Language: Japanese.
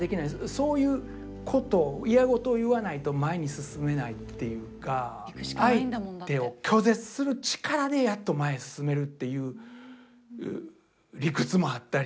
そういうこと嫌ごとを言わないと前に進めないっていうか相手を拒絶する力でやっと前へ進めるっていう理屈もあったり。